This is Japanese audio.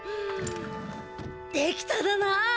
できただな？